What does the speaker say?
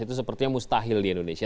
itu sepertinya mustahil di indonesia